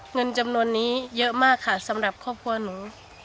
เงินจำนวนนี้เยอะมากค่ะสำหรับครอบครัวหนู